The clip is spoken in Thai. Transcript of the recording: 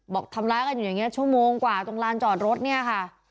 บอกทำร้ายกันอยู่อย่างนี้ชั่วโมงกว่าตรงลานจอดรถเนี่ยค่ะ